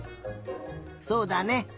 そうだね。